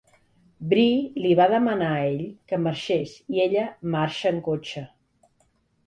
Bree li va demanar a ell que marxés i ella marxa en cotxe.